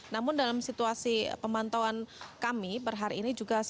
namun dalam situasi pemantauan kami per hari ini juga